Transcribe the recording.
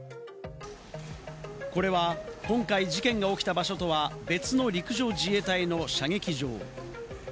これは今回事件が起きた場所とは別の陸上自衛隊の射撃場。